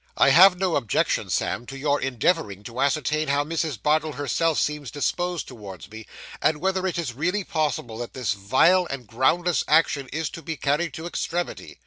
'I have no objection, Sam, to your endeavouring to ascertain how Mrs. Bardell herself seems disposed towards me, and whether it is really probable that this vile and groundless action is to be carried to extremity.